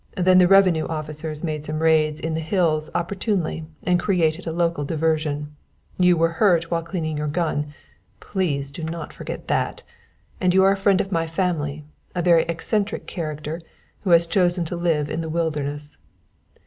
Then the revenue officers made some raids in the hills opportunely and created a local diversion. You were hurt while cleaning your gun, please do not forget that! and you are a friend of my family, a very eccentric character, who has chosen to live in the wilderness."